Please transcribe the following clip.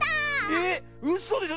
ええっうそでしょ